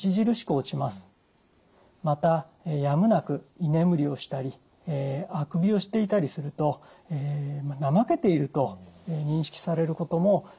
またやむなく居眠りをしたりあくびをしていたりすると怠けていると認識されることも多いのではないでしょうか。